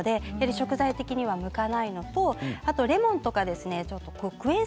食材的には向かないのとレモンなどクエン